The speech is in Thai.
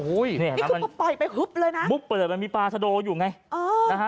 อุ้ยปล่อยไปหึบเลยนะบุ๊บเปิดมันมีปลาสะดอกอยู่ไงนะฮะ